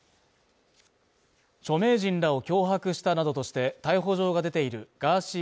著名人らを脅迫したなどとして逮捕状が出ているガーシー